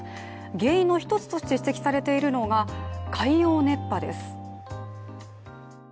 原因の一つとして指摘されているのが海洋熱波です。